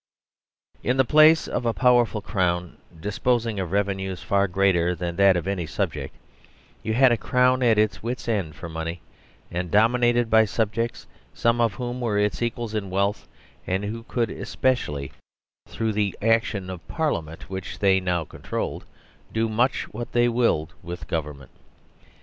In the place of a powerful Crown disposing of re venues far greater than that of any subject, you had^ a Crown at its wit's end for money, and dominated by subjects some of whom were its equals in wealth, and who could, especially through the action of Par liament (which they now controlled), do much what they willed with Government.